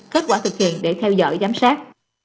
kết quả thực hiện để theo dõi giám sát